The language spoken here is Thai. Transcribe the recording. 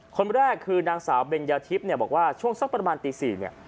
คนแรกคือนางสาวเบญญาทิพย์เนี่ยบอกว่าช่วงสักประมาณตี๔เนี่ย